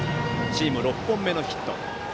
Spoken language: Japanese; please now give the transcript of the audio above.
チーム６本目のヒット。